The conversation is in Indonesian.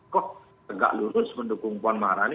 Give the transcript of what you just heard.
kok tegak lurus mendukung puan maharani